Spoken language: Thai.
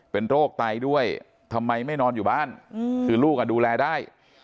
เป็นโรคไตด้วยทำไมไม่นอนอยู่บ้านคือลูกดูแลได้